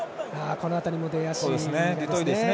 この辺りも出足が早いですね。